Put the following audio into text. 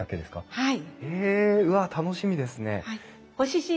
はい。